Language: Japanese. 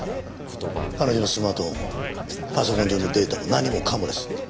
彼女のスマートフォンもパソコン上のデータも何もかもです。